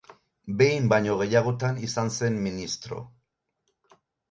Behin baino gehiagotan izan zen ministro.